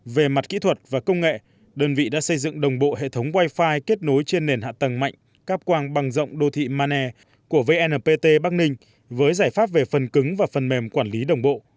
về mặt kỹ thuật và công nghệ đơn vị đã xây dựng đồng bộ hệ thống wi fi kết nối trên nền hạ tầng mạnh cắp quang bằng rộng đô thị mane của vnpt bắc ninh với giải pháp về phần cứng và phần mềm quản lý đồng bộ